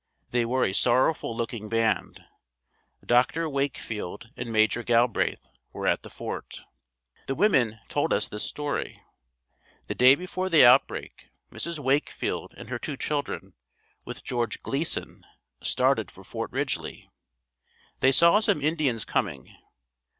They were a sorrowful looking band. Dr. Wakefield and Maj. Galbraith were at the fort. The women told us this story. The day before the outbreak, Mrs. Wakefield and her two children, with George Gleason, started for Fort Ridgely. They saw some Indians coming.